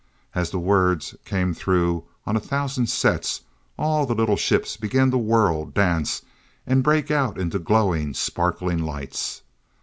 As the words came through on a thousand sets, all the little ships began to whirl, dance and break out into glowing, sparkling lights.